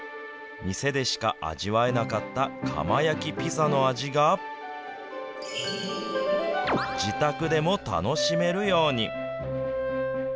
店でしか味わえなかった窯焼きピザの味が、自宅でも楽しめるように。